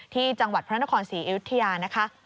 ที่จังหวัดพระนครศรีอยุธยานะคะ